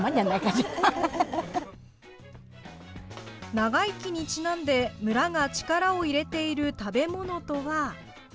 長生きにちなんで村が力を入れている食べ物とは。